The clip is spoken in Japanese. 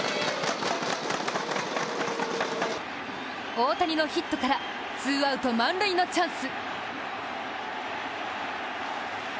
大谷のヒットからツーアウト満塁のチャンス。